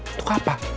itu ke apa